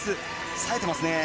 さえていますね。